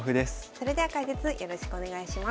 それでは解説よろしくお願いします。